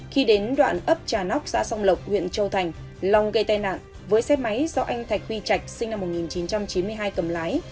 khi đến đoạn ấp trà nóc xã sông lộc huyện châu thành long gây tai nạn với xe máy do anh thạch huy trạch sinh năm một nghìn chín trăm chín mươi hai cầm lái